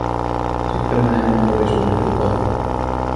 Sitten menee mummo risuineen tupaan.